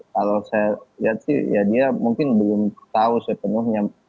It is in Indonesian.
kalau saya lihat sih ya dia mungkin belum tahu sepenuhnya